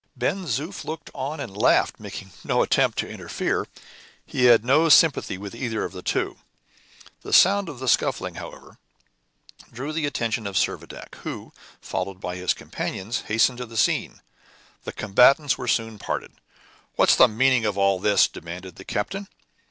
Ben Zoof looked on and laughed, making no attempt to interfere; he had no sympathy with either of the two. The sound of the scuffling, however, drew the attention of Servadac, who, followed by his companions, hastened to the scene. The combatants were soon parted. "What is the meaning of all this?" demanded the captain.